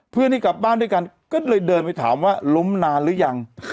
ที่กลับบ้านด้วยกันก็เลยเดินไปถามว่าล้มนานหรือยัง